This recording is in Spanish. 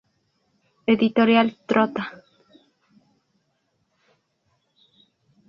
Editorial Trotta.